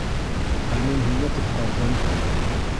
Ә мин һине ҡотҡарҙым!